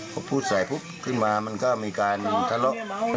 พอพูดใส่ปุ๊บขึ้นมามันก็มีการทะเลาะกัน